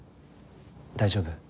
大丈夫？